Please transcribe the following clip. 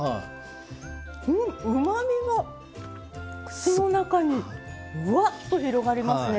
うまみが口の中にふわっと広がりますね。